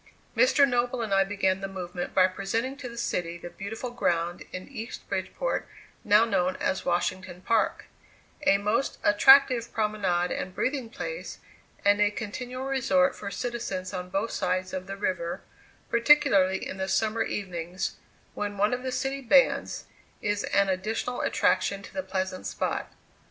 Mr. Noble and I began the movement by presenting to the city the beautiful ground in East Bridgeport now known as Washington Park, a most attractive promenade and breathing place and a continual resort for citizens on both sides of the river, particularly in the summer evenings, when one of the city bands is an additional attraction to the pleasant spot.